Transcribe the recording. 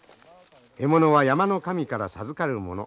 獲物は山の神から授かるもの。